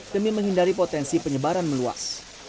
demi menghindari potensi penyebaran meluas